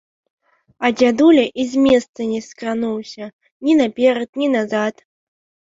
А дзядуля і з месца не скрануўся, ні наперад, ні назад.